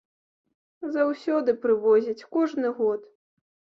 Заўсёды прывозіць, кожны год.